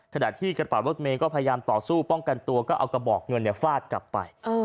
ขณะที่กระเป๋ารถเมย์ก็พยายามต่อสู้ป้องกันตัวก็เอากระบอกเงินฟาดกลับไป